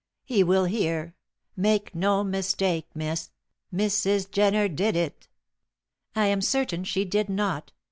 "He will hear, Make no mistake, Miss, Mrs. Jenner did it." "I am certain she did not.